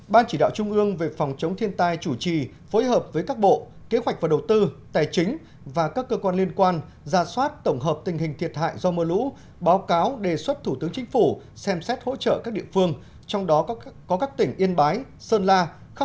ban chỉ đạo trung ương về phòng chống thiên tai chủ trì phối hợp với các bộ kế hoạch và đầu tư tài chính và các cơ quan liên quan ra soát tổng hợp tình hình thiệt hại do mưa lũ báo cáo đề xuất thủ tướng chính phủ xem xét hỗ trợ các địa phương trong đó có các tỉnh yên bái sơn la